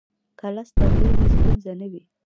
که لس لوحې وي، ستونزه نه وي.